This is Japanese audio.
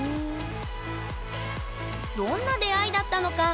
どんな出会いだったのか